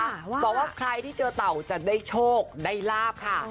บอกว่าใครที่เจอเต่าจะได้โชคได้ลาบค่ะ